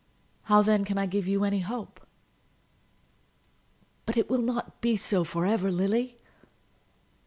How, then, can I give you any hope?" "But it will not be so for ever, Lily."